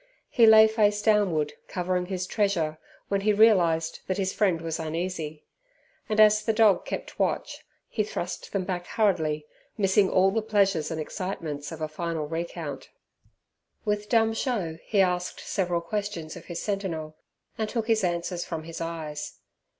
He lay face downward, covering his treasure, when he realized that his friend was uneasy. And as the dog kept watch, he thrust them back hurriedly, missing all the pleasure and excitement of a final recount. With dumb show he asked several questions of his sentinel, and took his answers from his eyes.